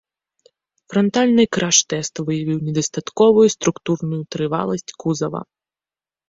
Франтальны краш-тэст выявіў недастатковую структурную трываласць кузава.